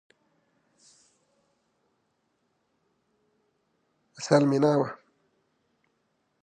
La produzione fu quella di un film a basso costo.